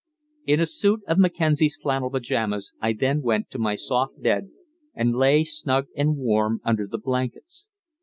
In a suit of Mackenzie's flannel pajamas I then went to my soft bed, and lay snug and warm under the blankets.